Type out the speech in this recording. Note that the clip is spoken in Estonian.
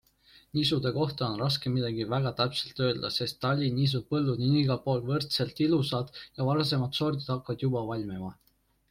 Nisude kohta on raske midagi väga täpselt öelda, sest talinisu põllud on igal pool võrdselt ilusad ja varasemad sordid hakkavad juba valmima.